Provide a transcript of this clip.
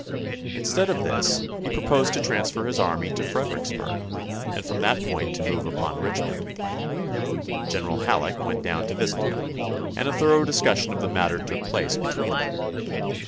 Instead of this he proposed to transfer his army to Fredericksburg and from that point to move upon Richmond. General Halleck went down to visit him, and a thorough discussion of the matter took place between them.